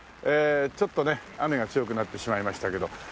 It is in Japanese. ちょっとね雨が強くなってしまいましたけど。